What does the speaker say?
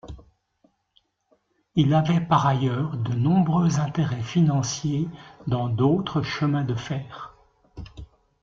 Il avait par ailleurs, de nombreux intérêts financiers dans d'autres chemins de fer.